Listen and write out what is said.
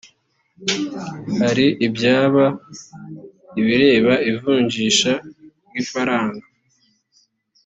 hari ibyaba ibireba ivunjisha ry ifaranga